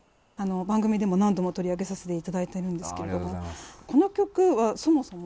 番組でも何度も取り上げさせていただいてるんですけれども。